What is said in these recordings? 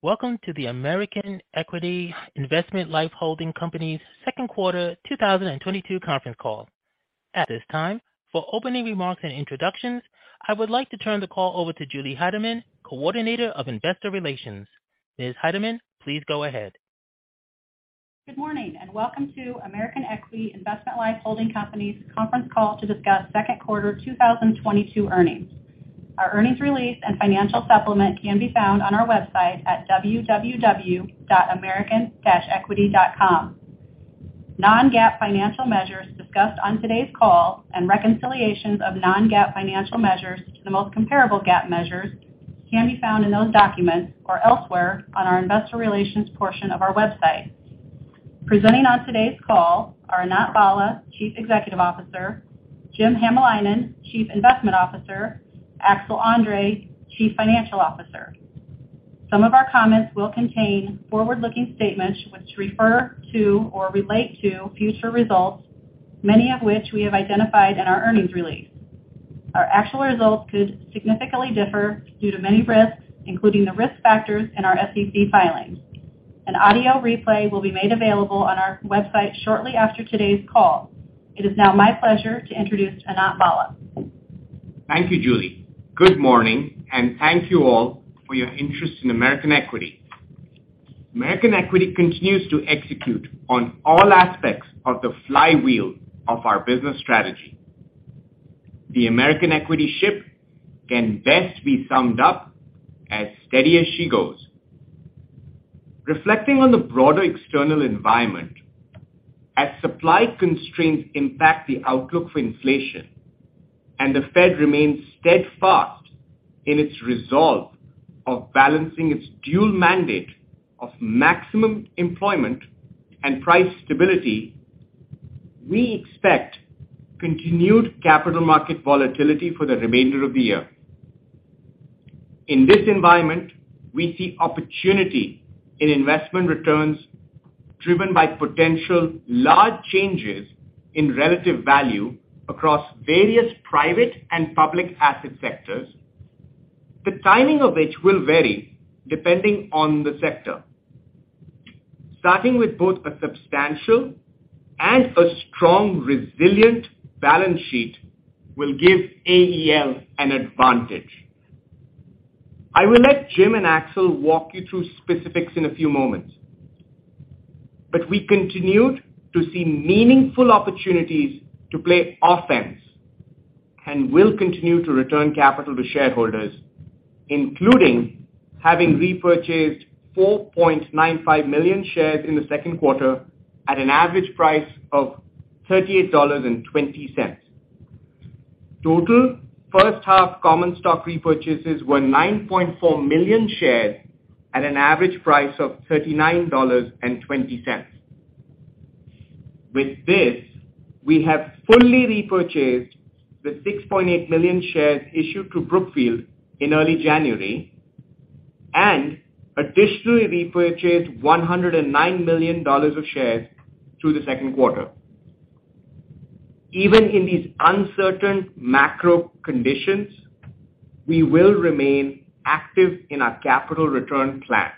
Welcome to the American Equity Investment Life Holding Company's Q2 2022 Conference Call. At this time, for opening remarks and introductions, I would like to turn the call over to Julie Heidemann, Coordinator of Investor Relations. Ms. Heidemann, please go ahead. Good morning, and welcome to American Equity Investment Life Holding Company's Conference Call to discuss Q2 2022 earnings. Our earnings release and financial supplement can be found on our website at www.american-equity.com. Non-GAAP financial measures discussed on today's call and reconciliations of non-GAAP financial measures to the most comparable GAAP measures can be found in those documents or elsewhere on our investor relations portion of our website. Presenting on today's call are Anant Bhalla, Chief Executive Officer, Jim Hamalainen, Chief Investment Officer, Axel André, Chief Financial Officer. Some of our comments will contain forward-looking statements which refer to or relate to future results, many of which we have identified in our earnings release. Our actual results could significantly differ due to many risks, including the risk factors in our SEC filings. An audio replay will be made available on our website shortly after today's call. It is now my pleasure to introduce Anant Bhalla. Thank you, Julie. Good morning, and thank you all for your interest in American Equity. American Equity continues to execute on all aspects of the flywheel of our business strategy. The American Equity ship can best be summed up as steady as she goes. Reflecting on the broader external environment, as supply constraints impact the outlook for inflation and the Fed remains steadfast in its resolve of balancing its dual mandate of maximum employment and price stability, we expect continued capital market volatility for the remainder of the year. In this environment, we see opportunity in investment returns driven by potential large changes in relative value across various private and public asset sectors, the timing of which will vary depending on the sector. Starting with both a substantial and a strong, resilient balance sheet will give AEL an advantage. I will let Jim and Axel walk you through specifics in a few moments, but we continued to see meaningful opportunities to play offense and will continue to return capital to shareholders, including having repurchased 4.95 million shares in the Q2 at an average price of $38.20. Total first half common stock repurchases were 9.4 million shares at an average price of $39.20. With this, we have fully repurchased the 6.8 million shares issued to Brookfield in early January and additionally repurchased $109 million of shares through the Q2. Even in these uncertain macro conditions, we will remain active in our capital return plan.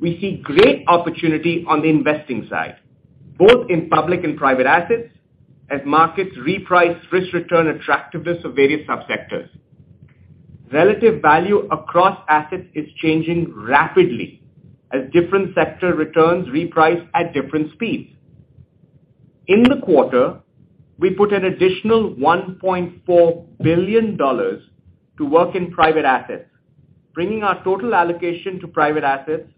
We see great opportunity on the investing side, both in public and private assets as markets reprice risk-return attractiveness of various subsectors. Relative value across assets is changing rapidly as different sector returns reprice at different speeds. In the quarter, we put an additional $1.4 billion to work in private assets, bringing our total allocation to private assets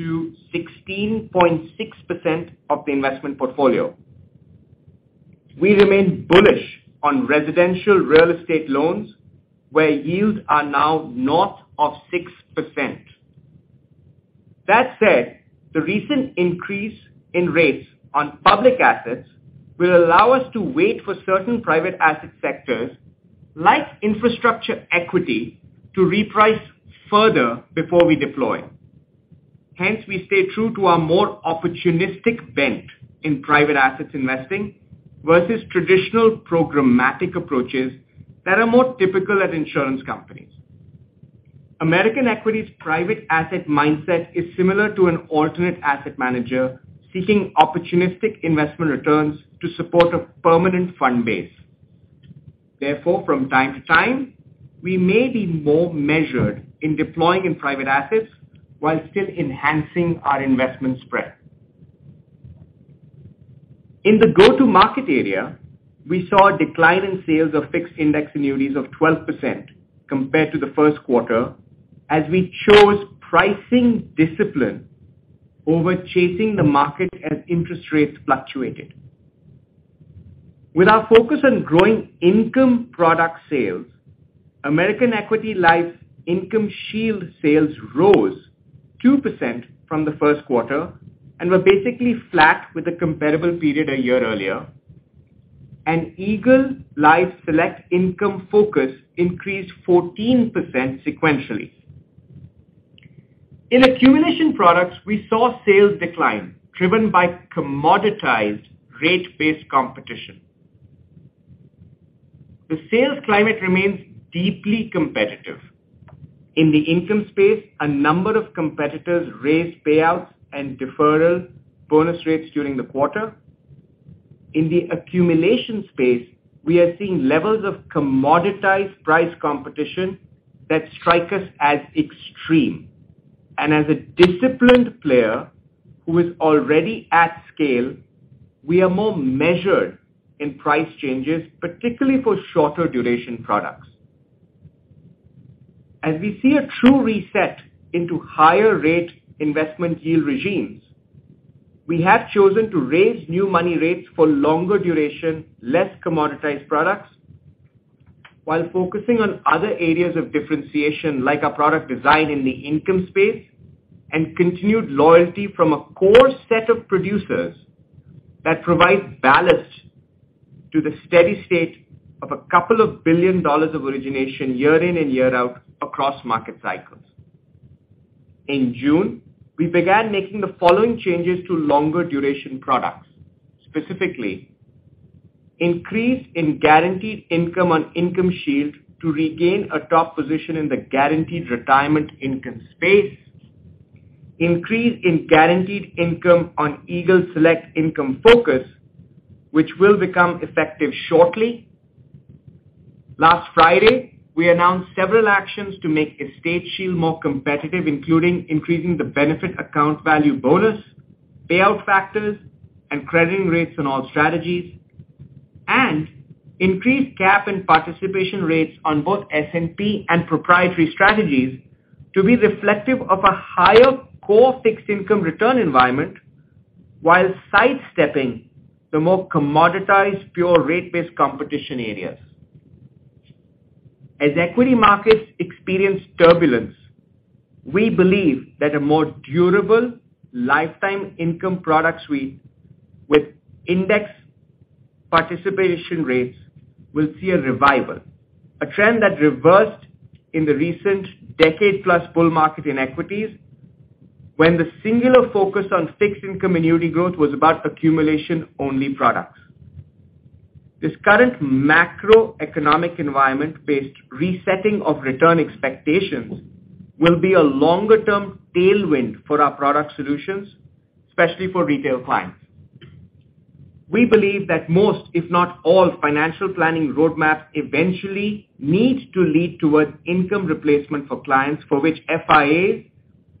to 16.6% of the investment portfolio. We remain bullish on residential real estate loans where yields are now north of 6%. That said, the recent increase in rates on public assets will allow us to wait for certain private asset sectors like infrastructure equity to reprice further before we deploy. Hence, we stay true to our more opportunistic bent in private assets investing versus traditional programmatic approaches that are more typical at insurance companies. American Equity's private asset mindset is similar to an alternate asset manager seeking opportunistic investment returns to support a permanent fund base. Therefore, from time to time, we may be more measured in deploying in private assets while still enhancing our investment spread. In the go-to-market area, we saw a decline in sales of fixed index annuities of 12% compared to the Q1 as we chose pricing discipline over chasing the market as interest rates fluctuated. With our focus on growing income product sales, American Equity Life's IncomeShield sales rose 2% from the Q1 and were basically flat with the comparable period a year earlier, and Eagle Select Income Focus increased 14% sequentially. In accumulation products, we saw sales decline driven by commoditized rate-based competition. The sales climate remains deeply competitive. In the income space, a number of competitors raised payouts and deferral bonus rates during the quarter. In the accumulation space, we are seeing levels of commoditized price competition that strike us as extreme. As a disciplined player who is already at scale, we are more measured in price changes, particularly for shorter duration products. As we see a true reset into higher rate investment yield regimes, we have chosen to raise new money rates for longer duration, less commoditized products, while focusing on other areas of differentiation like our product design in the income space and continued loyalty from a core set of producers that provide ballast to the steady state of a couple of billion of origination year in and year out across market cycles. In June, we began making the following changes to longer duration products, specifically increase in guaranteed income on IncomeShield to regain a top position in the guaranteed retirement income space, increase in guaranteed income on Eagle Select Income Focus, which will become effective shortly. Last Friday, we announced several actions to make EstateShield more competitive, including increasing the benefit account value bonus, payout factors, and crediting rates on all strategies, and increased cap and participation rates on both S&P and proprietary strategies to be reflective of a higher core fixed income return environment while sidestepping the more commoditized pure rate-based competition areas. As equity markets experience turbulence, we believe that a more durable lifetime income product suite with index participation rates will see a revival, a trend that reversed in the recent decade-plus bull market in equities when the singular focus on fixed income annuity growth was about accumulation-only products. This current macroeconomic environment-based resetting of return expectations will be a longer-term tailwind for our product solutions, especially for retail clients. We believe that most, if not all, financial planning roadmaps eventually need to lead towards income replacement for clients for which FIAs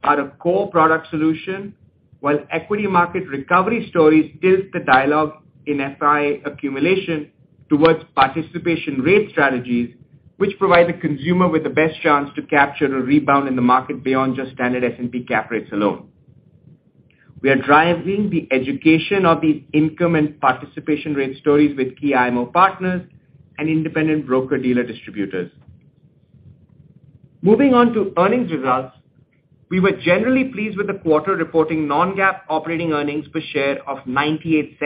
are a core product solution, while equity market recovery stories tilt the dialogue in FIA accumulation towards participation rate strategies, which provide the consumer with the best chance to capture a rebound in the market beyond just standard S&P cap rates alone. We are driving the education of these income and participation rate stories with key IMO partners and independent broker-dealer distributors. Moving on to earnings results, we were generally pleased with the quarter reporting non-GAAP operating earnings per share of $0.98,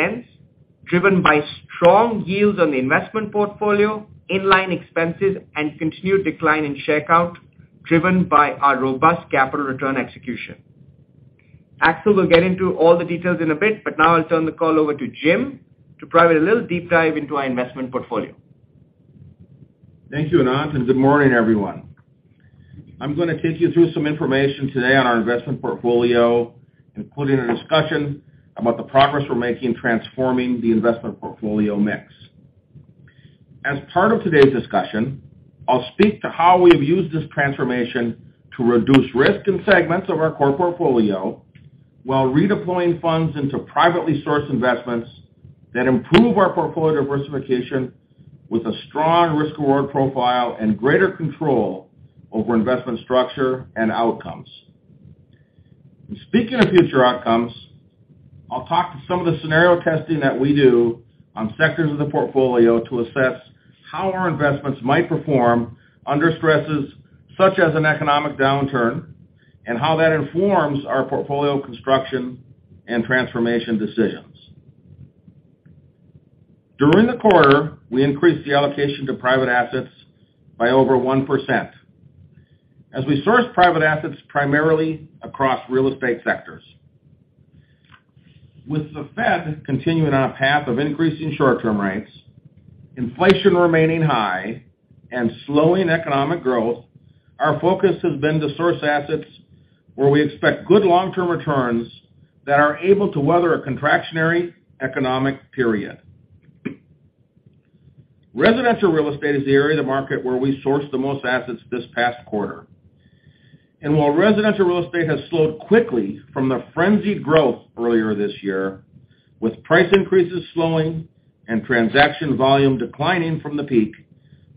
driven by strong yields on the investment portfolio, in-line expenses, and continued decline in share count driven by our robust capital return execution. Axel will get into all the details in a bit, but now I'll turn the call over to Jim to provide a little deep dive into our investment portfolio. Thank you, Anant, and good morning, everyone. I'm going to take you through some information today on our investment portfolio, including a discussion about the progress we're making transforming the investment portfolio mix. As part of today's discussion, I'll speak to how we have used this transformation to reduce risk in segments of our core portfolio while redeploying funds into privately sourced investments that improve our portfolio diversification with a strong risk-reward profile and greater control over investment structure and outcomes. Speaking of future outcomes, I'll talk to some of the scenario testing that we do on sectors of the portfolio to assess how our investments might perform under stresses such as an economic downturn and how that informs our portfolio construction and transformation decisions. During the quarter, we increased the allocation to private assets by over 1% as we source private assets primarily across real estate sectors. With the Fed continuing on a path of increasing short-term rates, inflation remaining high, and slowing economic growth, our focus has been to source assets where we expect good long-term returns that are able to weather a contractionary economic period. Residential real estate is the area of the market where we sourced the most assets this past quarter. While residential real estate has slowed quickly from the frenzied growth earlier this year, with price increases slowing and transaction volume declining from the peak,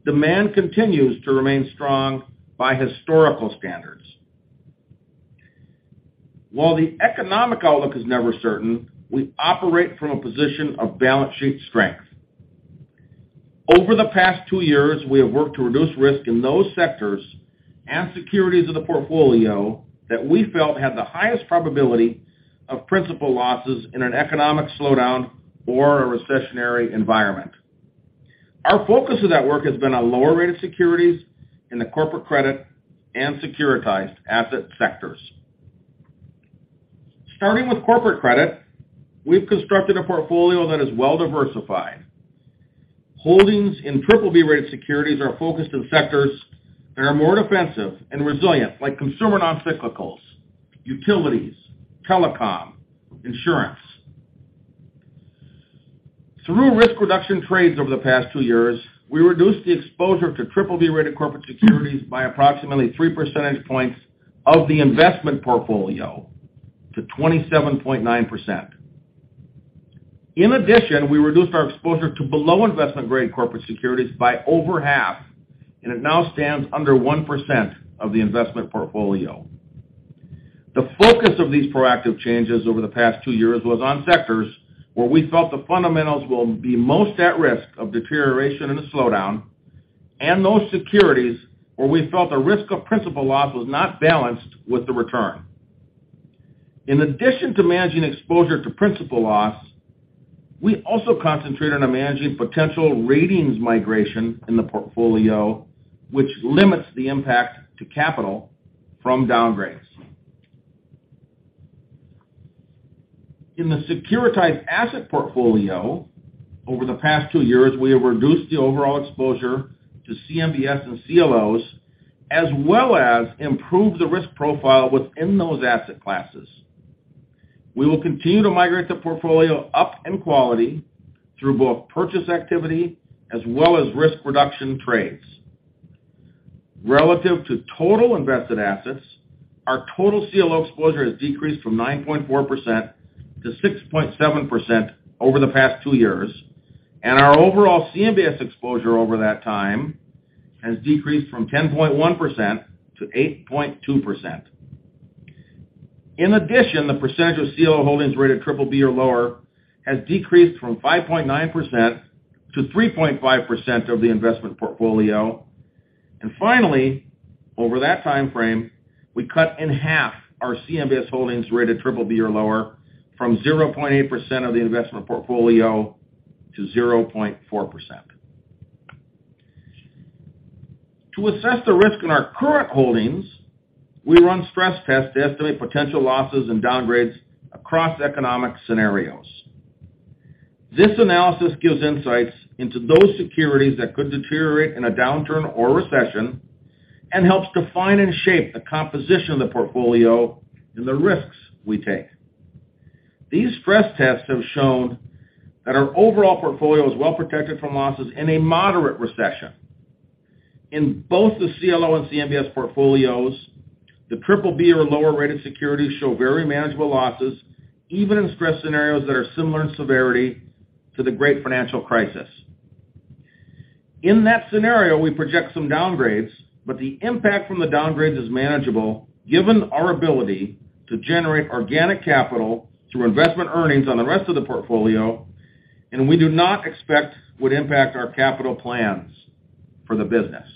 demand continues to remain strong by historical standards. While the economic outlook is never certain, we operate from a position of balance sheet strength. Over the past two years, we have worked to reduce risk in those sectors and securities of the portfolio that we felt had the highest probability of principal losses in an economic slowdown or a recessionary environment. Our focus of that work has been on lower-rated securities in the corporate credit and securitized asset sectors. Starting with corporate credit, we've constructed a portfolio that is well-diversified. Holdings in BBB-rated securities are focused in sectors that are more defensive and resilient like consumer non-cyclicals, utilities, telecom, insurance. Through risk reduction trades over the past two years, we reduced the exposure to BBB-rated corporate securities by approximately three percentage points of the investment portfolio to 27.9%. In addition, we reduced our exposure to below investment-grade corporate securities by over half, and it now stands under 1% of the investment portfolio. The focus of these proactive changes over the past two years was on sectors where we felt the fundamentals will be most at risk of deterioration in a slowdown and those securities where we felt the risk of principal loss was not balanced with the return. In addition to managing exposure to principal loss, we also concentrate on managing potential ratings migration in the portfolio, which limits the impact to capital from downgrades. In the securitized asset portfolio over the past two years, we have reduced the overall exposure to CMBS and CLOs as well as improved the risk profile within those asset classes. We will continue to migrate the portfolio up in quality through both purchase activity as well as risk reduction trades. Relative to total invested assets, our total CLO exposure has decreased from 9.4% to 6.7% over the past two years, and our overall CMBS exposure over that time has decreased from 10.1% to 8.2%. In addition, the percentage of CLO holdings rated BBB or lower has decreased from 5.9% to 3.5% of the investment portfolio. Finally, over that time frame, we cut in half our CMBS holdings rated BBB or lower from 0.8% of the investment portfolio to 0.4%. To assess the risk in our current holdings, we run stress tests to estimate potential losses and downgrades across economic scenarios. This analysis gives insights into those securities that could deteriorate in a downturn or recession and helps define and shape the composition of the portfolio and the risks we take. These stress tests have shown that our overall portfolio is well protected from losses in a moderate recession. In both the CLO and CMBS portfolios, the BBB or lower-rated securities show very manageable losses, even in stress scenarios that are similar in severity to the great financial crisis. In that scenario, we project some downgrades, but the impact from the downgrades is manageable given our ability to generate organic capital through investment earnings on the rest of the portfolio, and we do not expect it would impact our capital plans for the business.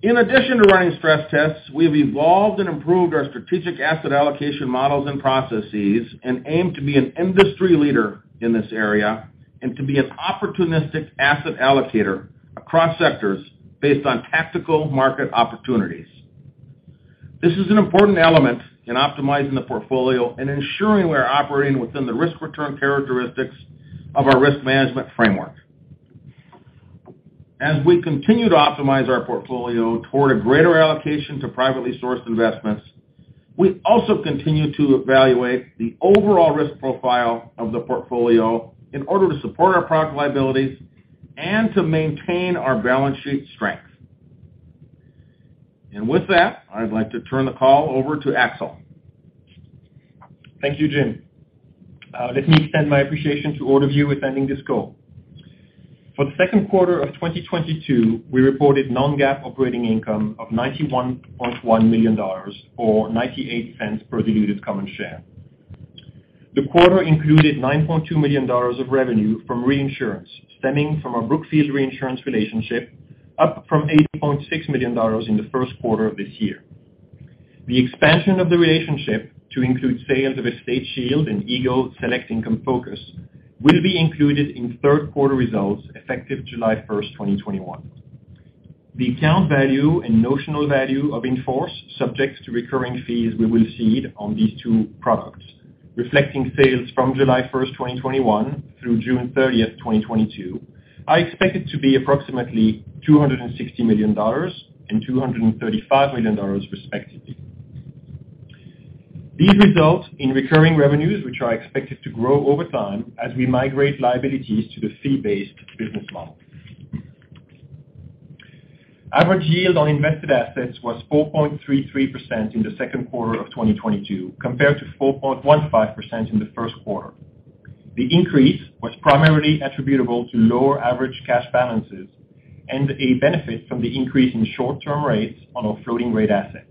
In addition to running stress tests, we've evolved and improved our strategic asset allocation models and processes and aim to be an industry leader in this area and to be an opportunistic asset allocator across sectors based on tactical market opportunities. This is an important element in optimizing the portfolio and ensuring we are operating within the risk-return characteristics of our risk management framework. As we continue to optimize our portfolio toward a greater allocation to privately sourced investments, we also continue to evaluate the overall risk profile of the portfolio in order to support our product liabilities and to maintain our balance sheet strength. With that, I'd like to turn the call over to Axel. Thank you, Jim. Let me extend my appreciation to all of you attending this call. For the Q2 of 2022, we reported non-GAAP operating income of $91.1 million or $0.98 per diluted common share. The quarter included $9.2 million of revenue from reinsurance stemming from our Brookfield Reinsurance relationship, up from $80.6 million in the Q1 of this year. The expansion of the relationship to include sales of EstateShield and Eagle Select Income Focus will be included in Q3 results effective July 1st, 2021. The account value and notional value of in-force subject to recurring fees we will cede on these two products, reflecting sales from July 1st, 2021 and June 30th, 2022, are expected to be approximately $260 million and $235 million, respectively. These result in recurring revenues, which are expected to grow over time as we migrate liabilities to the fee-based business model. Average yield on invested assets was 4.33% in the Q2 of 2022 compared to 4.15% in the Q1. The increase was primarily attributable to lower average cash balances and a benefit from the increase in short-term rates on our floating-rate assets.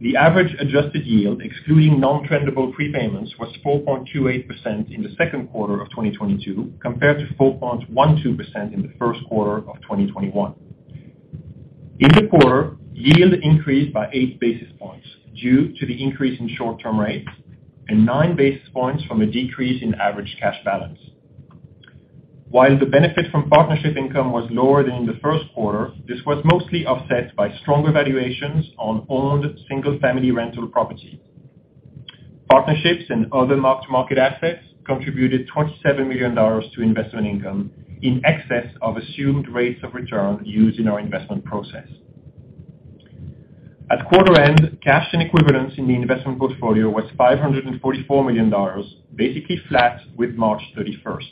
The average adjusted yield, excluding nontrendable prepayments, was 4.28% in the Q2 of 2022 compared to 4.12% in the Q1 of 2021. In the quarter, yield increased by 8 basis points due to the increase in short-term rates and 9 basis points from a decrease in average cash balance. While the benefit from partnership income was lower than in the Q1, this was mostly offset by stronger valuations on owned single-family rental property. Partnerships and other mark-to-market assets contributed $27 million to investment income in excess of assumed rates of return used in our investment process. At quarter end, cash and equivalents in the investment portfolio was $544 million, basically flat with March 31st.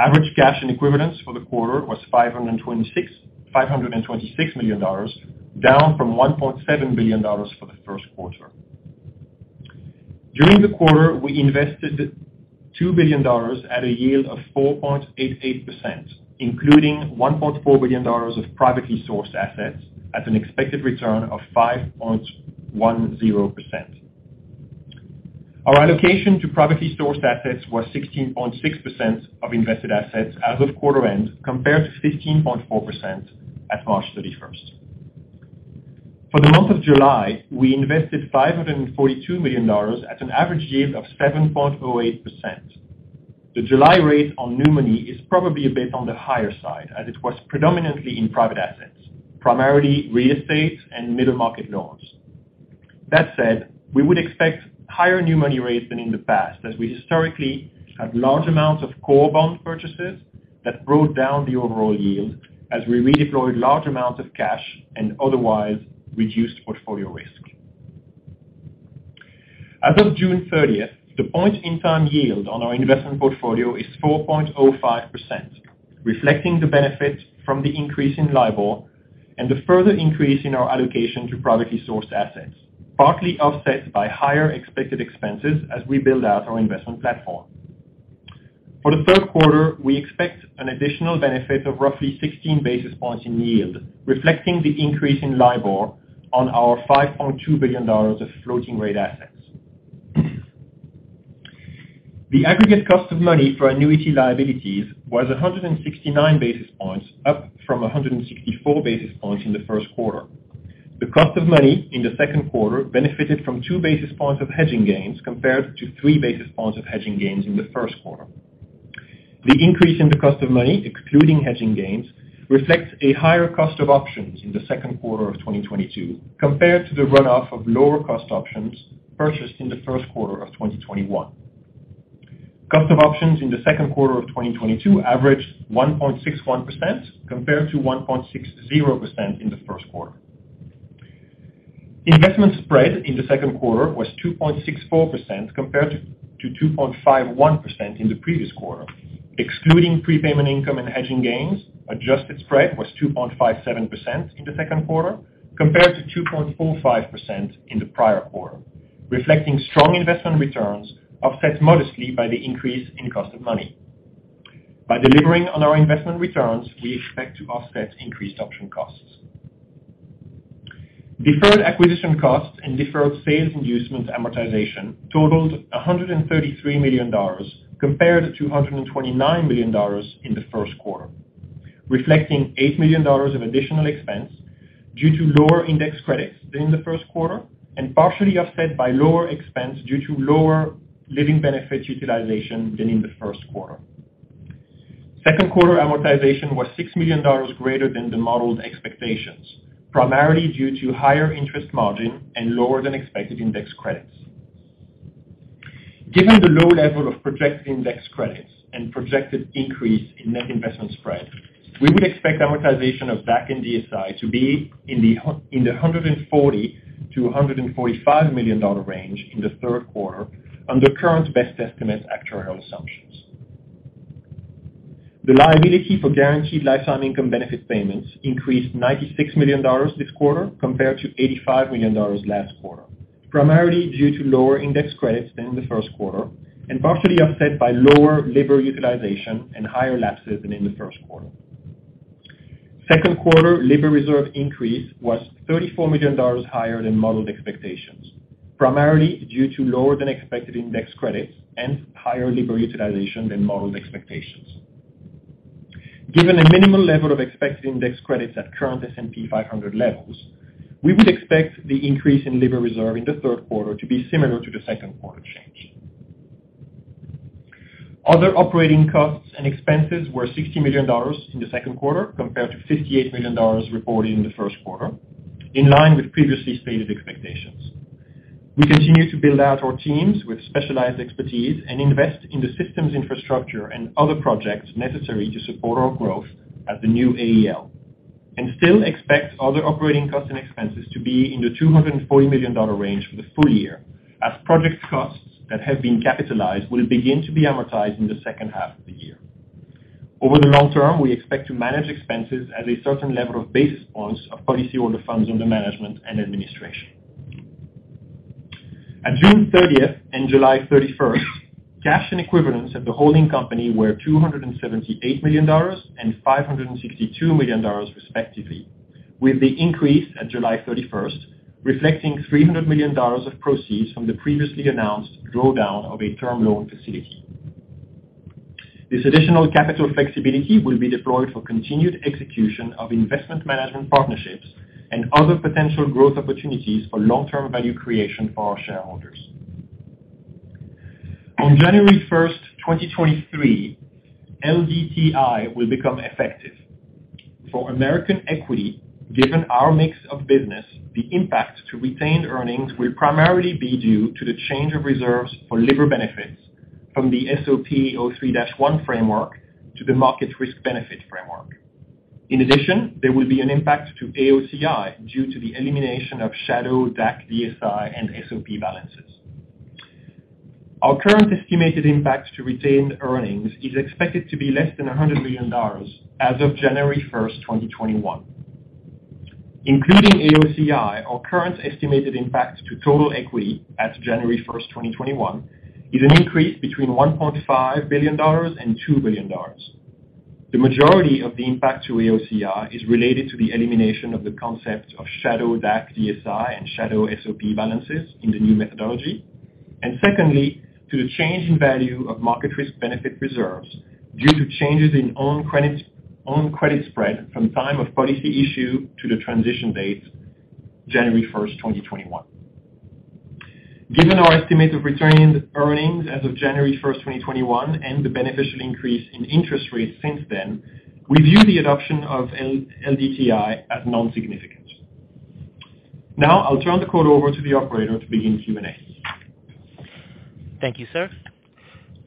Average cash and equivalents for the quarter was $526 million, down from $1.7 billion for the Q1. During the quarter, we invested $2 billion at a yield of 4.88%, including $1.4 billion of privately sourced assets at an expected return of 5.10%. Our allocation to privately sourced assets was 16.6% of invested assets as of quarter end compared to 15.4% at March 31st. For the month of July, we invested $542 million at an average yield of 7.08%. The July rate on new money is probably a bit on the higher side as it was predominantly in private assets, primarily real estate and middle market loans. That said, we would expect higher new money rates than in the past, as we historically have large amounts of core bond purchases that brought down the overall yield as we redeployed large amounts of cash and otherwise reduced portfolio risk. As of June 30th, the point in time yield on our investment portfolio is 4.05%, reflecting the benefit from the increase in LIBOR and the further increase in our allocation to privately sourced assets, partly offset by higher expected expenses as we build out our investment platform. For the Q3, we expect an additional benefit of roughly 16 basis points in yield, reflecting the increase in LIBOR on our $5.2 billion of floating rate assets. The aggregate cost of money for annuity liabilities was 169 basis points, up from 164 basis points in the Q1. The cost of money in the Q2 benefited from 2 basis points of hedging gains compared to 3 basis points of hedging gains in the Q1. The increase in the cost of money, excluding hedging gains, reflects a higher cost of options in the Q2 of 2022 compared to the run-off of lower cost options purchased in the Q1 of 2021. Cost of options in the Q2 of 2022 averaged 1.61% compared to 1.60% in the Q1. Investment spread in the Q2 was 2.64% compared to 2.51% in the previous quarter. Excluding prepayment income and hedging gains, adjusted spread was 2.57% in the Q2 compared to 2.45% in the prior quarter, reflecting strong investment returns offset modestly by the increase in cost of money. By delivering on our investment returns, we expect to offset increased option costs. Deferred acquisition costs and deferred sales inducement amortization totaled $133 million compared to $129 million in the Q1, reflecting $8 million of additional expense due to lower index credits than in the Q1 and partially offset by lower expense due to lower living benefits utilization than in the Q1. Q2 amortization was $6 million greater than the modeled expectations, primarily due to higher interest margin and lower than expected index credits. Given the low level of projected index credits and projected increase in net investment spread, we would expect amortization of DAC and DSI to be in the $140 million-$145 million range in the Q3 under current best estimate actuarial assumptions. The liability for guaranteed lifetime income benefit payments increased $96 million this quarter compared to $85 million last quarter, primarily due to lower index credits than in the Q1 and partially offset by lower LIBOR utilization and higher lapses than in the Q1. Q2 LIBOR reserve increase was $34 million higher than modeled expectations, primarily due to lower than expected index credits and higher LIBOR utilization than modeled expectations. Given a minimal level of expected index credits at current S&P 500 levels, we would expect the increase in LIBOR reserve in the Q3 to be similar to the Q2 change. Other operating costs and expenses were $60 million in the Q2 compared to $58 million reported in the Q1, in line with previously stated expectations. We continue to build out our teams with specialized expertise and invest in the systems infrastructure and other projects necessary to support our growth as the new AEL, and still expect other operating costs and expenses to be in the $240 million range for the full year as project costs that have been capitalized will begin to be amortized in the second half of the year. Over the long term, we expect to manage expenses at a certain level of basis points of policyholder funds under management and administration. At June 30th and July 31st, cash and equivalents at the holding company were $278 million and $562 million respectively, with the increase at July 31st reflecting $300 million of proceeds from the previously announced drawdown of a term loan facility. This additional capital flexibility will be deployed for continued execution of investment management partnerships and other potential growth opportunities for long-term value creation for our shareholders. On January 1st, 2023, LDTI will become effective. For American Equity, given our mix of business, the impact to retained earnings will primarily be due to the change of reserves for LIBOR benefits from the SOP 03-1 framework to the market risk benefit framework. In addition, there will be an impact to AOCI due to the elimination of shadow DAC, DSI, and SOP balances. Our current estimated impact to retained earnings is expected to be less than $100 million as of January 1st, 2021. Including AOCI, our current estimated impact to total equity as of January 1st, 2021, is an increase between $1.5 billion and $2 billion. The majority of the impact to AOCI is related to the elimination of the concept of shadow DAC, DSI, and shadow SOP balances in the new methodology. Secondly, to the change in value of market risk benefit reserves due to changes in own credit spread from time of policy issue to the transition date, January 1st, 2021. Given our estimate of retained earnings as of January 1st, 2021, and the beneficial increase in interest rates since then, we view the adoption of LDTI as nonsignificant. Now I'll turn the call over to the operator to begin Q&A. Thank you, sir.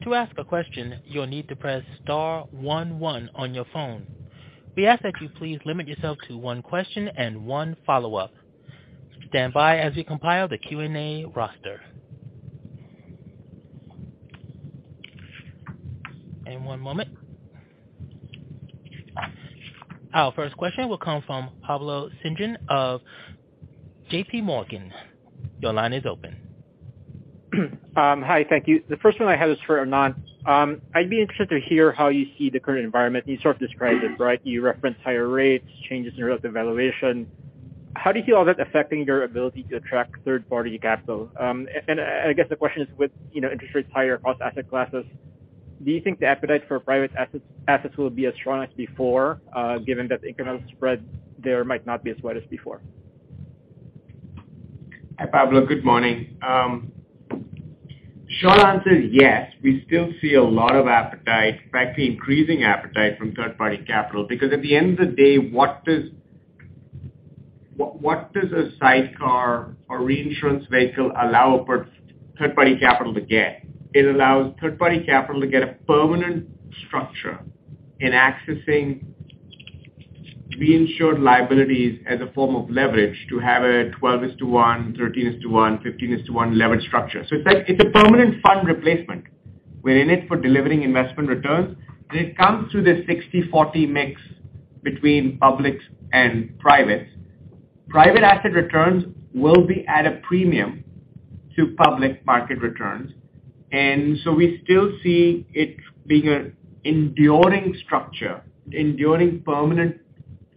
To ask a question, you'll need to press star one one on your phone. We ask that you please limit yourself to one question and one follow-up. Stand by as we compile the Q&A roster. One moment. Our first question will come from Pablo Singzon of JPMorgan. Your line is open. Hi. Thank you. The first one I had is for Anant. I'd be interested to hear how you see the current environment, and you sort of described it, right? You referenced higher rates, changes in relative valuation. How do you see all that affecting your ability to attract third-party capital? And I guess the question is with, you know, interest rates higher across asset classes, do you think the appetite for private assets will be as strong as before, given that the incremental spread there might not be as wide as before? Hi, Pablo. Good morning. Short answer is yes, we still see a lot of appetite, in fact, increasing appetite from third-party capital because at the end of the day, what does a sidecar or reinsurance vehicle allow for third-party capital to get? It allows third-party capital to get a permanent structure in accessing reinsured liabilities as a form of leverage to have a 12:1, 13:1, 15:1 leverage structure. It's like it's a permanent fund replacement. We're in it for delivering investment returns. It comes to the 60/40 mix between public and private. Private asset returns will be at a premium to public market returns, and so we still see it being an enduring structure, enduring permanent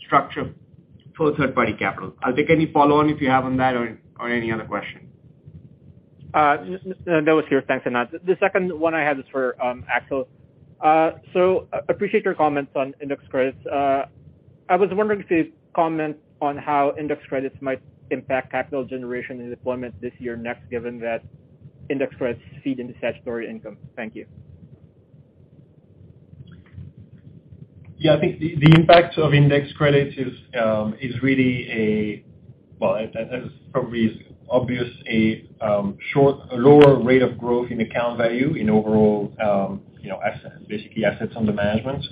structure for third-party capital. I'll take any follow-on if you have on that or any other question. No. That was here. Thanks, Anant. The second one I had is for Axel. I appreciate your comments on index credits. I was wondering if you'd comment on how index credits might impact capital generation and deployment this year next, given that index credits feed into statutory income. Thank you. Yeah. I think the impact of index credits is really a lower rate of growth in account value overall, you know, assets, basically assets under management,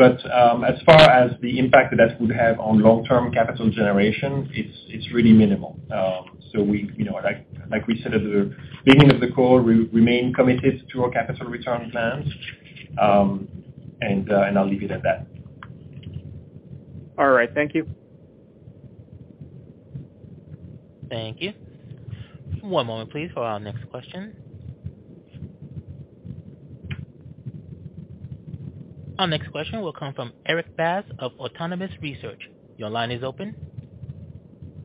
as is probably obvious. As far as the impact that would have on long-term capital generation, it's really minimal. We, you know, like we said at the beginning of the call, remain committed to our capital return plans. I'll leave it at that. All right. Thank you. Thank you. One moment please for our next question. Our next question will come from Erik Bass of Autonomous Research. Your line is open.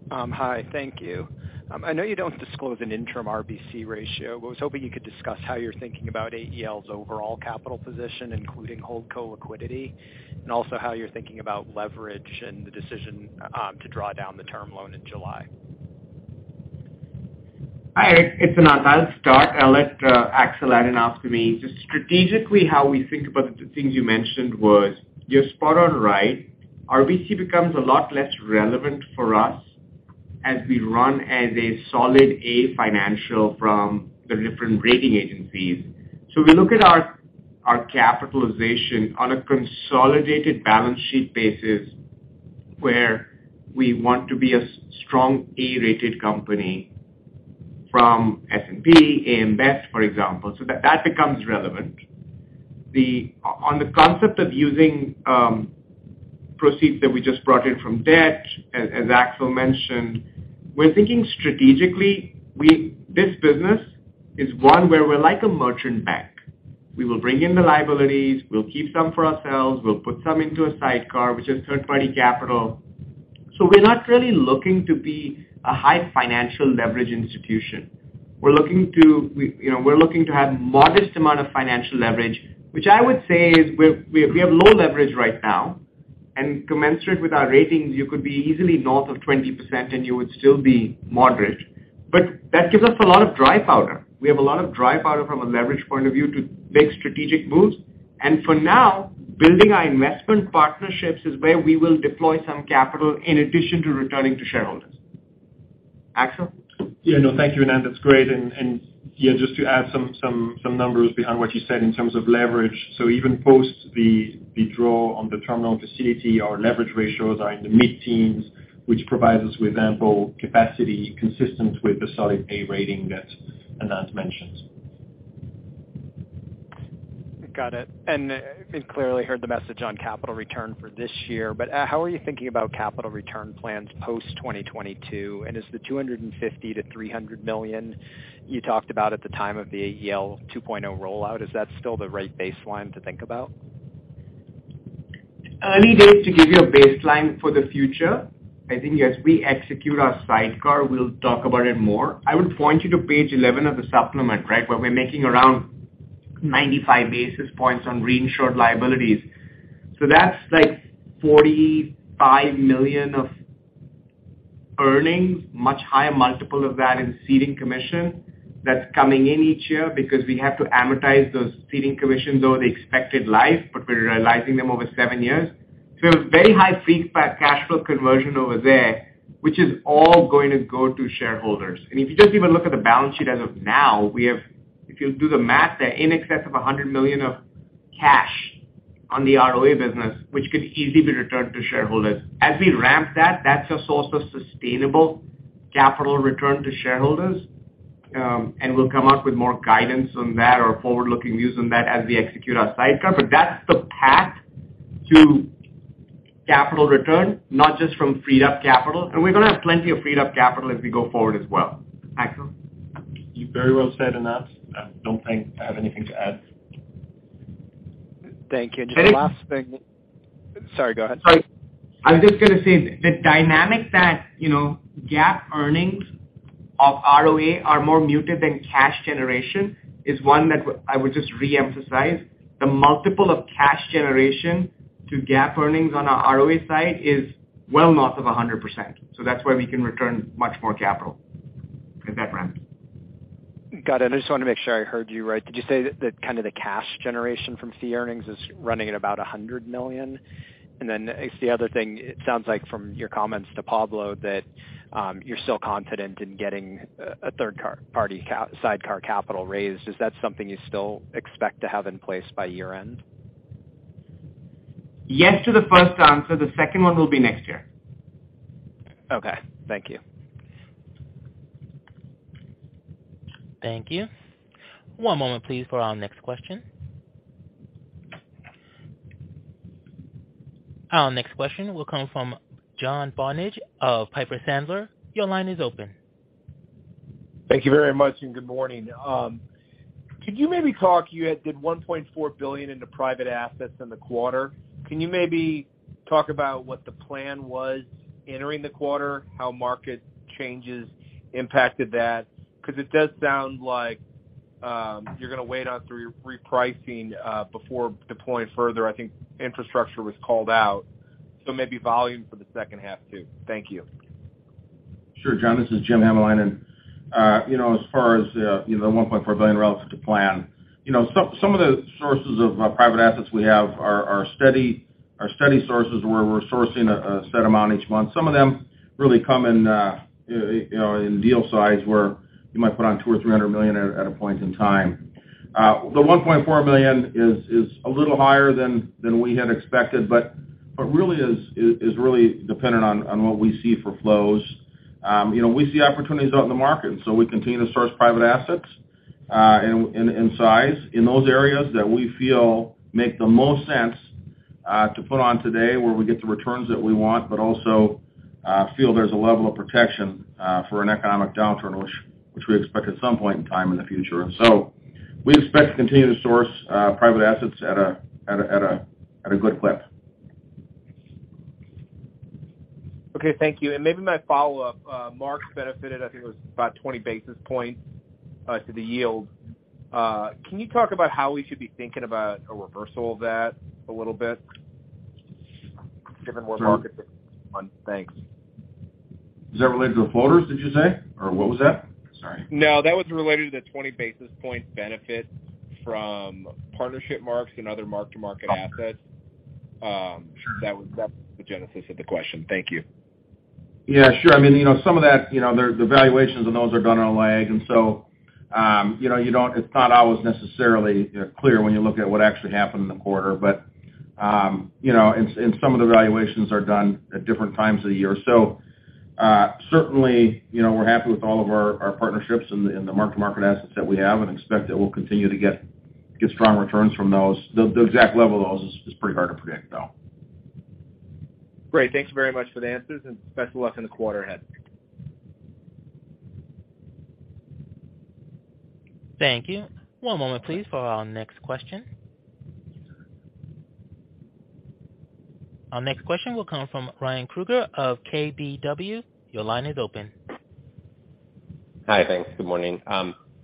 Hi. Thank you. I know you don't disclose an interim RBC ratio. I was hoping you could discuss how you're thinking about AEL's overall capital position, including holdco liquidity, and also how you're thinking about leverage and the decision to draw down the term loan in July. Hi, Eric. It's Anant. I'll start. I'll let Axel add in after me. Just strategically how we think about the things you mentioned was, you're spot on right. RBC becomes a lot less relevant for us as we run as a solid A financial from the different rating agencies. We look at our capitalization on a consolidated balance sheet basis, where we want to be a strong A-rated company from S&P, AM Best, for example, so that becomes relevant. On the concept of using proceeds that we just brought in from debt, as Axel mentioned, we're thinking strategically. This business is one where we're like a merchant bank. We will bring in the liabilities, we'll keep some for ourselves, we'll put some into a sidecar, which is third-party capital. We're not really looking to be a high financial leverage institution. We're looking to have modest amount of financial leverage, which I would say is we have low leverage right now, and commensurate with our ratings, you could be easily north of 20% and you would still be moderate. That gives us a lot of dry powder. We have a lot of dry powder from a leverage point of view to make strategic moves. For now, building our investment partnerships is where we will deploy some capital in addition to returning to shareholders. Axel? Yeah, no. Thank you, Anant. That's great. Yeah, just to add some numbers behind what you said in terms of leverage. Even post the draw on the term loan facility, our leverage ratios are in the mid-teens, which provides us with ample capacity consistent with the solid A rating that Anant mentioned. Got it. We clearly heard the message on capital return for this year, but how are you thinking about capital return plans post 2022? Is the $250 million-$300 million you talked about at the time of the AEL 2.0 rollout still the right baseline to think about? Early days to give you a baseline for the future. I think as we execute our sidecar, we'll talk about it more. I would point you to page 11 of the supplement, right, where we're making around 95 basis points on reinsured liabilities. So that's like $45 million of earnings, much higher multiple of that in ceding commission that's coming in each year because we have to amortize those ceding commissions over the expected life, but we're realizing them over seven years. So very high free cash flow conversion over there, which is all going to go to shareholders. If you just even look at the balance sheet as of now, we have, if you'll do the math there, in excess of $100 million of cash on the ROA business, which could easily be returned to shareholders. As we ramp that's a source of sustainable capital return to shareholders, and we'll come up with more guidance on that or forward-looking views on that as we execute our sidecar. That's the path to capital return, not just from freed up capital. We're gonna have plenty of freed up capital as we go forward as well. Axel? You very well said, Anant. I don't think I have anything to add. Thank you. Hey. Just one last thing. Sorry, go ahead. Sorry. I'm just gonna say the dynamic that, you know, GAAP earnings of ROA are more muted than cash generation is one that I would just re-emphasize. The multiple of cash generation to GAAP earnings on our ROA side is well north of 100%. That's why we can return much more capital as that ramps. Got it. I just wanna make sure I heard you right. Did you say that kinda the cash generation from fee earnings is running at about $100 million? Then I guess the other thing, it sounds like from your comments to Pablo that you're still confident in getting a third-party sidecar capital raise. Is that something you still expect to have in place by year-end? Yes to the first answer. The second one will be next year. Okay. Thank you. Thank you. One moment please for our next question. Our next question will come from John Barnidge of Piper Sandler. Your line is open. Thank you very much, and good morning. Could you maybe talk, you had did $1.4 billion into private assets in the quarter. Can you maybe talk about what the plan was entering the quarter, how market changes impacted that? 'Cause it does sound like, you're gonna wait on some repricing before deploying further. I think infrastructure was called out, so maybe volume for the second half too. Thank you. Sure, John. This is Jim Hamalainen. You know, as far as you know, the $1.4 billion relative to plan, you know, some of the sources of private assets we have are steady sources where we're sourcing a set amount each month. Some of them really come in you know, in deal size where you might put on 200 or 300 million at a point in time. The $1.4 billion is a little higher than we had expected, but really is really dependent on what we see for flows. You know, we see opportunities out in the market, and so we continue to source private assets in size in those areas that we feel make the most sense to put on today where we get the returns that we want, but also feel there's a level of protection for an economic downturn, which we expect at some point in time in the future. We expect to continue to source private assets at a good clip. Okay. Thank you. Maybe my follow-up. Mark's benefited, I think it was about 20 basis points to the yield. Can you talk about how we should be thinking about a reversal of that a little bit given more market. Thanks. Is that related to floaters, did you say? Or what was that? Sorry. No, that was related to the 20 basis points benefit from partnership marks and other mark-to-market assets. That was the genesis of the question. Thank you. Yeah. Sure. I mean, you know, some of that, you know, the valuations on those are done on a lag. You know, it's not always necessarily, you know, clear when you look at what actually happened in the quarter. You know, some of the valuations are done at different times of the year. Certainly, you know, we're happy with all of our partnerships and the mark-to-market assets that we have and expect that we'll continue to get strong returns from those. The exact level of those is pretty hard to predict, though. Great. Thank you very much for the answers, and best of luck in the quarter ahead. Thank you. One moment please for our next question. Our next question will come from Ryan Krueger of KBW. Your line is open. Hi. Thanks. Good morning.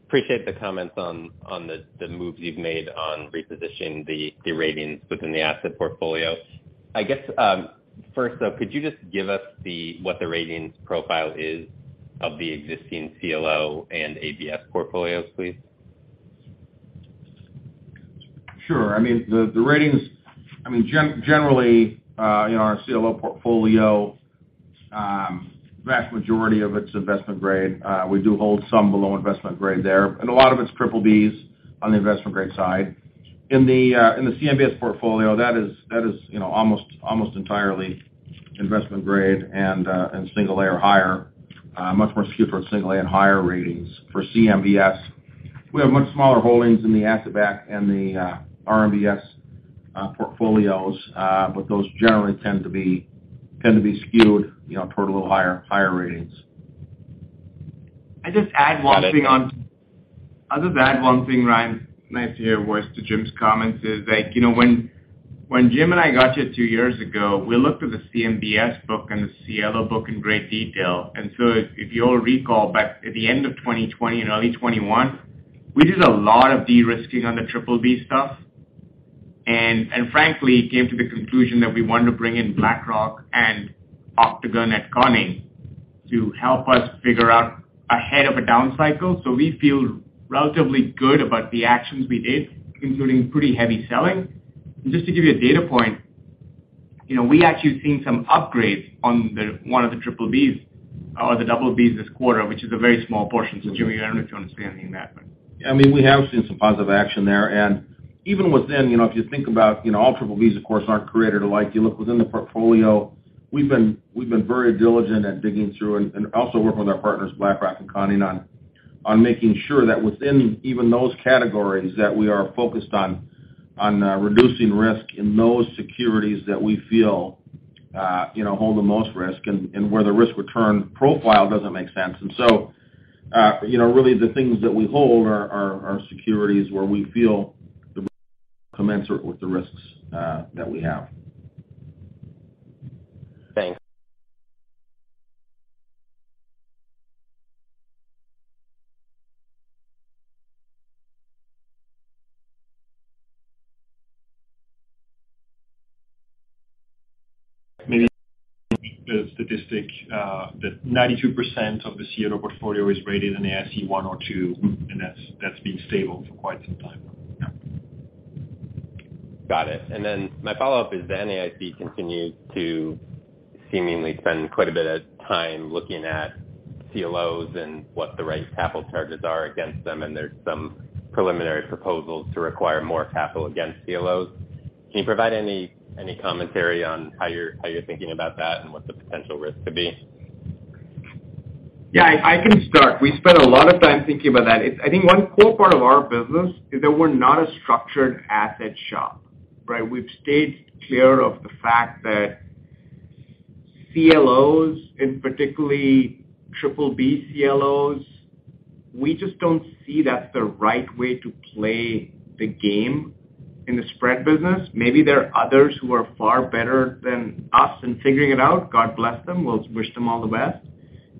Appreciate the comments on the moves you've made on repositioning the ratings within the asset portfolio. I guess, first though, could you just give us what the ratings profile is of the existing CLO and ABS portfolios, please? Sure. I mean, the ratings. I mean, generally, our CLO portfolio, vast majority of it's investment grade. We do hold some below investment grade there, and a lot of it's triple Bs on the investment grade side. In the CMBS portfolio, that is, almost entirely investment grade and single A or higher. Much more skewed for single A and higher ratings for CMBS. We have much smaller holdings in the asset-backed and the RMBS portfolios. But those generally tend to be skewed toward higher ratings. I just add one thing on. Got it. I'll just add one thing, Ryan, nice to hear, was to Jim's comments, is that, you know, when Jim and I got here two years ago, we looked at the CMBS book and the CLO book in great detail. If you'll recall back at the end of 2020 and early 2021, we did a lot of de-risking on the BBB stuff. Frankly, came to the conclusion that we wanted to bring in BlackRock and Octagon at Conning to help us figure out ahead of a down cycle. We feel relatively good about the actions we did, including pretty heavy selling. Just to give you a data point, you know, we actually have seen some upgrades on the one of the BBBs or the BBs this quarter, which is a very small portion. Jim, I don't know if you want to say anything on that, but. I mean, we have seen some positive action there. Even within, you know, if you think about, you know, all BBBs of course aren't created alike. You look within the portfolio, we've been very diligent at digging through and also working with our partners, BlackRock and Conning, on making sure that within even those categories that we are focused on reducing risk in those securities that we feel, you know, hold the most risk and where the risk return profile doesn't make sense. Really the things that we hold are securities where we feel they're commensurate with the risks that we have. Thanks. Maybe the statistic that 92% of the CLO portfolio is rated an NAIC 1 or 2, and that's been stable for quite some time. Got it. My follow-up is then NAIC continued to seemingly spend quite a bit of time looking at CLOs and what the right capital charges are against them, and there's some preliminary proposals to require more capital against CLOs. Can you provide any commentary on how you're thinking about that and what the potential risk could be? Yeah, I can start. We spent a lot of time thinking about that. It's, I think, one core part of our business is that we're not a structured asset shop, right? We've stayed clear of the fact that CLOs and particularly BBB CLOs. We just don't see that's the right way to play the game in the spread business. Maybe there are others who are far better than us in figuring it out. God bless them. We'll wish them all the best.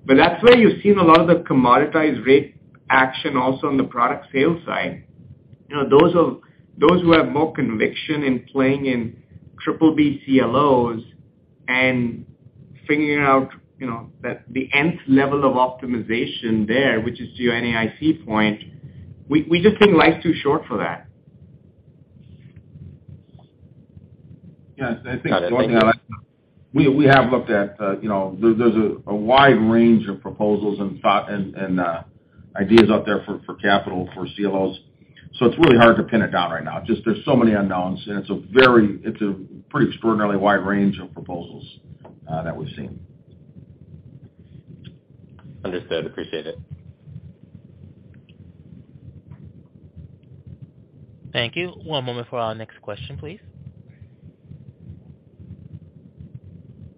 That's why you've seen a lot of the commoditized rate action also on the product sales side. You know, those who have more conviction in playing in BBB CLOs and figuring out, you know, that the Nth level of optimization there, which is to your NAIC point, we just think life's too short for that. Yes, I think looking at that, we have looked at, you know, there's a wide range of proposals and thoughts and ideas out there for capital for CLOs. It's really hard to pin it down right now. Just there's so many unknowns, and it's a pretty extraordinarily wide range of proposals that we've seen. Understood. Appreciate it. Thank you. One moment for our next question, please.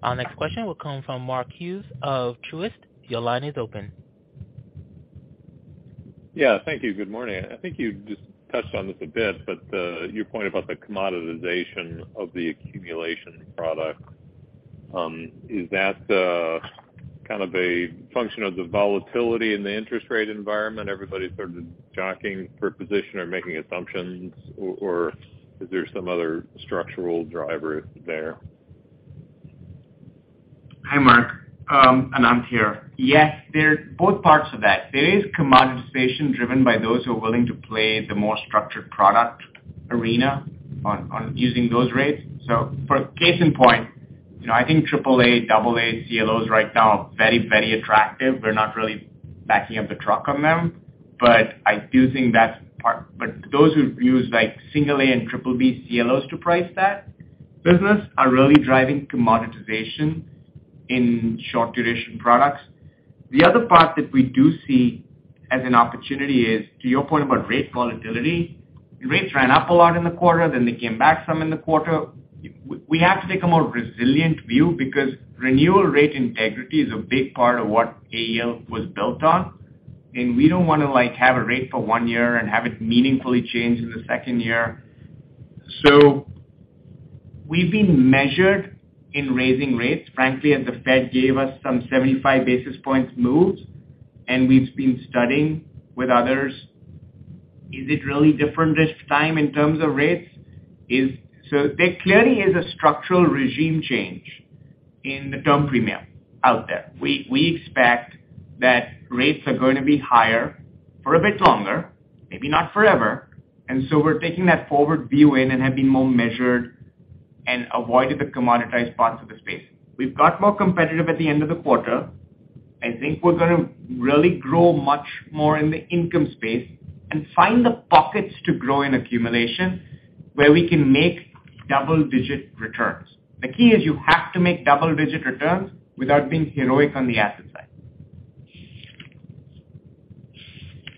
Our next question will come from Mark Hughes of Truist. Your line is open. Yeah, thank you. Good morning. I think you just touched on this a bit, but your point about the commoditization of the accumulation product is that kind of a function of the volatility in the interest rate environment? Everybody's sort of jockeying for position or making assumptions or is there some other structural driver there? Hi, Mark. Anant here. Yes. There's both parts of that. There is commoditization driven by those who are willing to play the more structured product arena on using those rates. For case in point, you know, I think AAA, AA CLOs right now are very, very attractive. We're not really backing up the truck on them, but I do think that's part. Those who use like single-A and BBB CLOs to price that business are really driving commoditization in short duration products. The other part that we do see as an opportunity is to your point about rate volatility. Rates ran up a lot in the quarter, then they came back some in the quarter. We have to take a more resilient view because renewal rate integrity is a big part of what AEL was built on. We don't wanna like have a rate for one year and have it meaningfully change in the second year. We've been measured in raising rates, frankly, as the Fed gave us some 75 basis points moves, and we've been studying with others. Is it really different this time in terms of rates? There clearly is a structural regime change in the term premium out there. We expect that rates are gonna be higher for a bit longer, maybe not forever, and so we're taking that forward view in and have been more measured and avoided the commoditized parts of the space. We've got more competitive at the end of the quarter. I think we're gonna really grow much more in the income space and find the pockets to grow in accumulation, where we can make double-digit returns. The key is you have to make double-digit returns without being heroic on the asset side.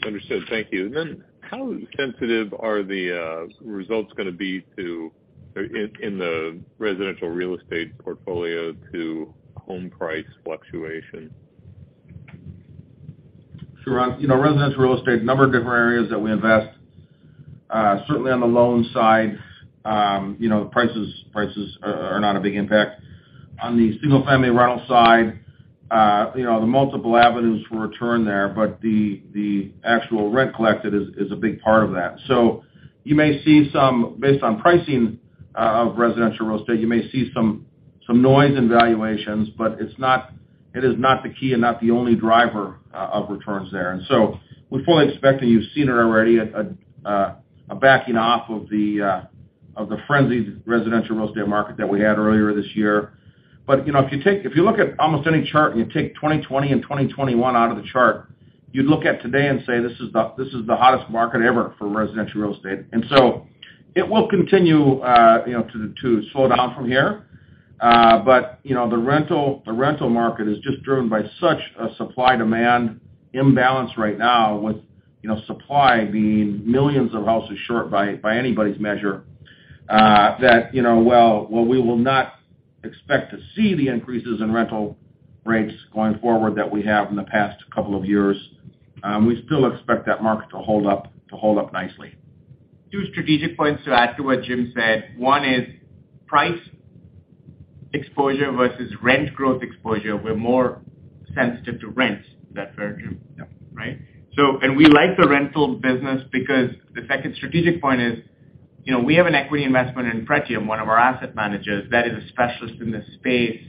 Understood. Thank you. How sensitive are the results gonna be to, in the residential real estate portfolio, to home price fluctuation? Sure. You know, residential real estate, a number of different areas that we invest. Certainly on the loan side, you know, prices are not a big impact. On the single-family rental side, you know, the multiple avenues for return there, but the actual rent collected is a big part of that. You may see some based on pricing of residential real estate. You may see some noise and valuations, but it is not the key and not the only driver of returns there. We're fully expecting. You've seen it already, a backing off of the frenzied residential real estate market that we had earlier this year. You know, if you look at almost any chart and you take 2020 and 2021 out of the chart, you'd look at today and say, "This is the hottest market ever for residential real estate." It will continue to slow down from here. You know, the rental market is just driven by such a supply-demand imbalance right now with you know, supply being millions of houses short by anybody's measure, that you know, while we will not expect to see the increases in rental rates going forward that we have in the past couple of years, we still expect that market to hold up nicely. Two strategic points to add to what Jim said. One is price exposure versus rent growth exposure. We're more sensitive to rent. Is that fair, Jim? Yeah. Right? We like the rental business because the second strategic point is, you know, we have an equity investment in Pretium, one of our asset managers, that is a specialist in this space.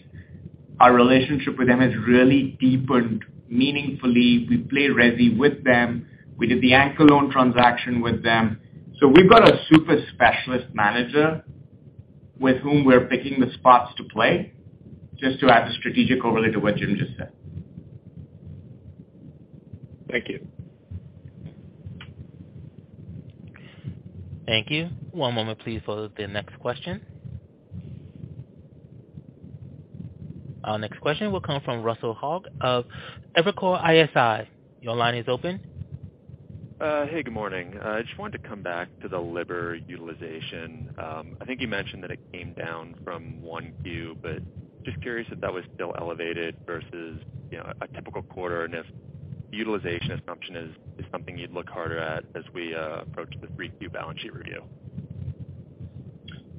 Our relationship with them has really deepened meaningfully. We play resi with them. We did the anchor loan transaction with them. We've got a super specialist manager with whom we're picking the spots to play, just to add the strategic overlay to what Jim just said. Thank you. Thank you. One moment please for the next question. Our next question will come from Tom Gallagher of Evercore ISI. Your line is open. Hey, good morning. Just wanted to come back to the LIBOR utilization. I think you mentioned that it came down from 1Q, but just curious if that was still elevated versus, you know, a typical quarter. If utilization assumption is something you'd look harder at as we approach the 3Q balance sheet review.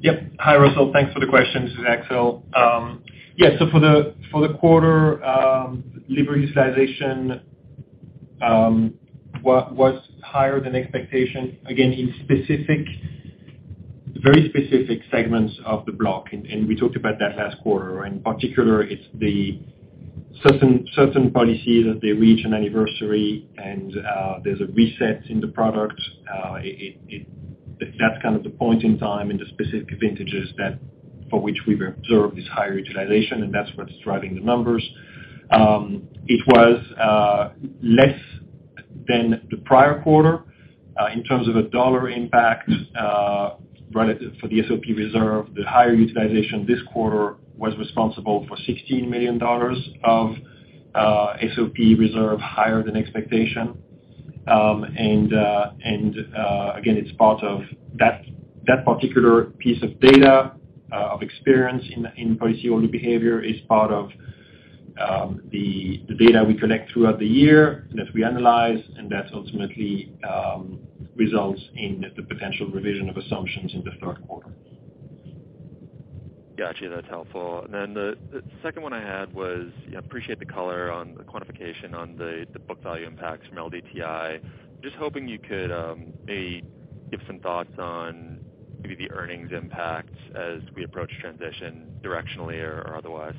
Yep. Hi, Tom. Thanks for the question. This is Axel. For the quarter, LIBOR utilization was higher than expectation, again, in specific, very specific segments of the block, and we talked about that last quarter. In particular, it's the certain policies that they reach an anniversary and there's a reset in the product. That's kind of the point in time in the specific vintages for which we've observed this higher utilization, and that's what's driving the numbers. It was less than the prior quarter in terms of a dollar impact relative to the SOP reserve. The higher utilization this quarter was responsible for $16 million of SOP reserve higher than expectation. Again, it's part of that particular piece of data of experience in policyholder behavior is part of the data we collect throughout the year that we analyze, and that ultimately results in the potential revision of assumptions in the Q3. Got you. That's helpful. The second one I had was, you know, appreciate the color on the quantification on the book value impacts from LDTI. Just hoping you could maybe give some thoughts on maybe the earnings impacts as we approach transition directionally or otherwise.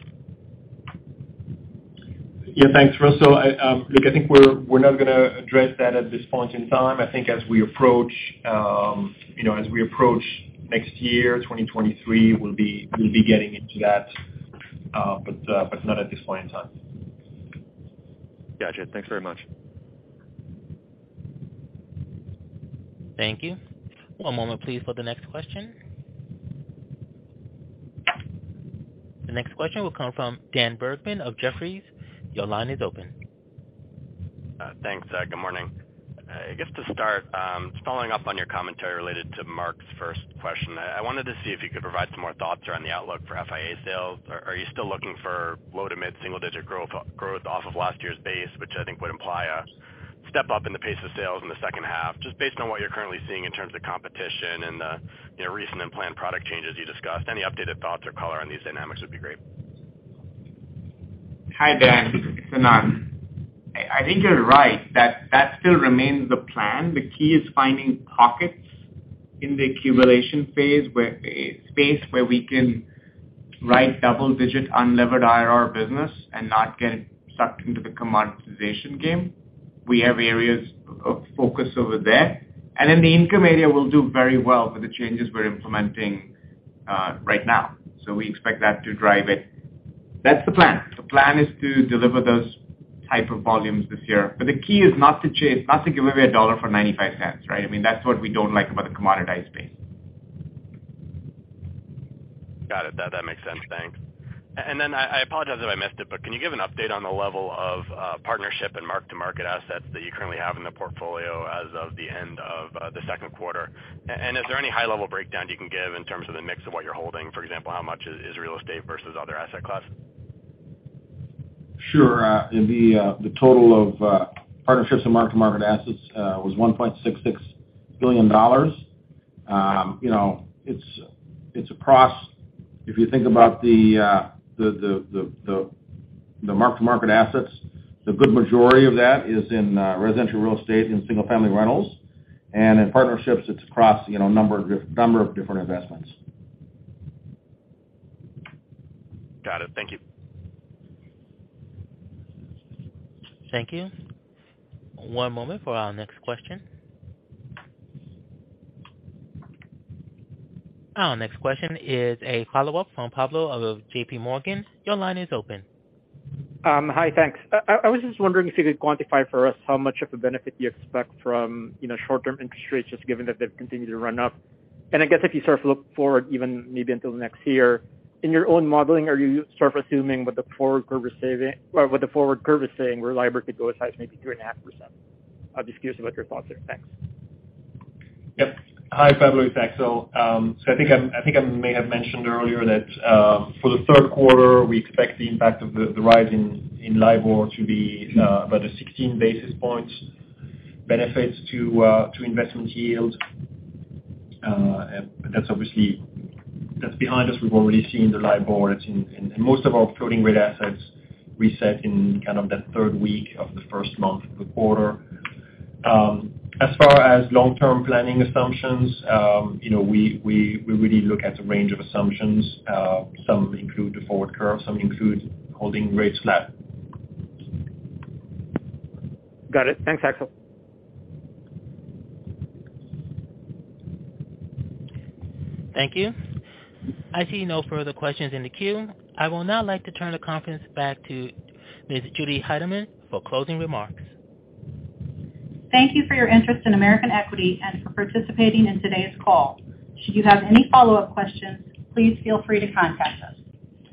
Yeah. Thanks, [so]. I think we're not gonna address that at this point in time. I think as we approach, you know, as we approach next year, 2023, we'll be getting into that, but not at this point in time. Gotcha. Thanks very much. Thank you. One moment, please, for the next question. The next question will come from Dan Bergman of Jefferies. Your line is open. Thanks. Good morning. I guess to start, following up on your commentary related to Mark's first question, I wanted to see if you could provide some more thoughts around the outlook for FIA sales. Are you still looking for low to mid single digit growth off of last year's base, which I think would imply a step up in the pace of sales in the second half? Just based on what you're currently seeing in terms of competition and the, you know, recent and planned product changes you discussed. Any updated thoughts or color on these dynamics would be great. Hi, Dan. It's Anant. I think you're right, that still remains the plan. The key is finding pockets in the accumulation phase where we can write double-digit unlevered IRR business and not get sucked into the commoditization game. We have areas of focus over there. In the income area, we'll do very well with the changes we're implementing right now. We expect that to drive it. That's the plan. The plan is to deliver those type of volumes this year. The key is not to give away $1 for 95 cents, right? I mean, that's what we don't like about the commoditized space. Got it. That makes sense. Thanks. I apologize if I missed it, but can you give an update on the level of partnership and mark-to-market assets that you currently have in the portfolio as of the end of the Q2? Is there any high-level breakdown you can give in terms of the mix of what you're holding? For example, how much is real estate versus other asset class? Sure. The total of partnerships and mark-to-market assets was $1.66 billion. You know, it's across. If you think about the mark-to-market assets, the good majority of that is in residential real estate in single-family rentals. In partnerships, it's across, you know, a number of different investments. Got it. Thank you. Thank you. One moment for our next question. Our next question is a follow-up from Pablo of JP Morgan. Your line is open. Hi. Thanks. I was just wondering if you could quantify for us how much of the benefit you expect from, you know, short-term interest rates, just given that they've continued to run up. I guess if you sort of look forward even maybe until next year, in your own modeling, are you sort of assuming what the forward curve is saying, where LIBOR could go as high as maybe 3.5%? I'm just curious what your thoughts are. Thanks. Yep. Hi, Pablo. It's Axel. So I think I may have mentioned earlier that for the Q3, we expect the impact of the rise in LIBOR to be about a 16 basis points benefit to investment yield. That's obviously behind us. We've already seen the LIBOR. It's in most of our floating rate assets reset in kind of that third week of the first month of the quarter. As far as long-term planning assumptions, you know, we really look at a range of assumptions. Some include the forward curve, some include holding rates flat. Got it. Thanks, Axel. Thank you. I see no further questions in the queue. I would now like to turn the conference back to Ms. Julie Heidemann for closing remarks. Thank you for your interest in American Equity and for participating in today's call. Should you have any follow-up questions, please feel free to contact us.